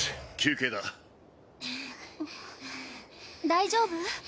大丈夫？